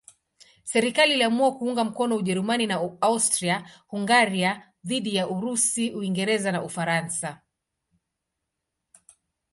Serikali iliamua kuunga mkono Ujerumani na Austria-Hungaria dhidi ya Urusi, Uingereza na Ufaransa.